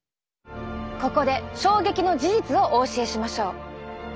ここで衝撃の事実をお教えしましょう。